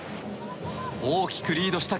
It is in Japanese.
大きくリードした